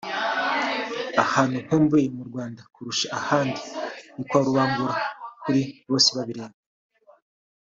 ahantu akumbuye mu Rwanda kurusha ahandi ni kwa Rubangura (kuri bose babireba)